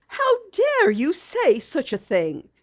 "How dare you say such a thing!"